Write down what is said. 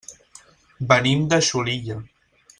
Venim de Xulilla.